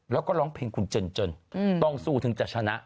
แล้วก็ร้องเพลงคุณเจนต้องสู้ถึงจะชนะ